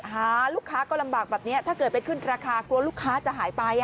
หาลูกค้าก็ลำบากแบบนี้ถ้าเกิดไปขึ้นราคากลัวลูกค้าจะหายไป